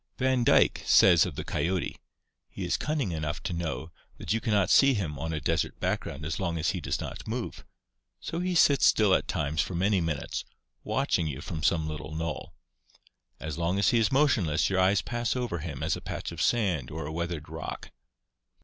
Van Dyke says of the DESERT ADAPTATION 403 coyote: "He is cunning enough to know ... that you cannot see him on a desert background as long as he docs not move; so he sits still at times for many minutes, watching you from some little knoll. As long as he is motionless your eyes pass over him as a patch of sand or a weathered rock."